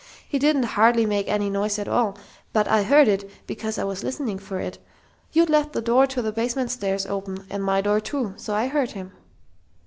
He didn't hardly make any noise at all, but I heard it, because I was listening for it.... You'd left the door to the basement stairs open, and my door, too, so I heard him."